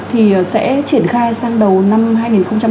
thì sẽ triển khai sang đầu năm hai nghìn hai mươi